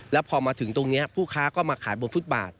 แล้วพอมาถึงตรงนี้ผู้ค้าก็มาขายบนฟุตบาท